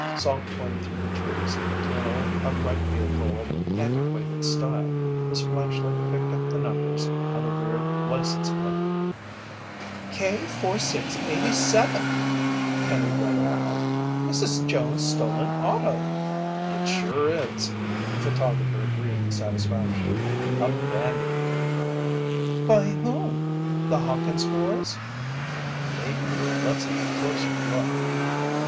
Salt pointed through the trees to an old upright vehicle of antiquated style. His flashlight picked up the numbers on the rear license plate. "K 4687!" Penny read aloud. "Mrs. Jones' stolen auto!" "It sure is," the photographer agreed in satisfaction. "Abandoned!" "By whom? The Hawkins' boys?" "Maybe. Let's have a closer look."